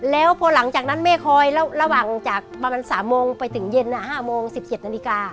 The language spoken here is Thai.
แล้วพอหลังจากนั้นแม่คอยแล้วระหว่างจากประมาณ๓โมงไปถึงเย็น๕โมง๑๗นาฬิกา